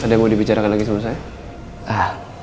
ada yang mau dibicarakan lagi sama saya